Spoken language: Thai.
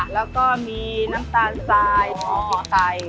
แล้วก็มีน้ำตาลไซด์พรุ่งไทย